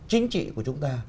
chính trị của chúng ta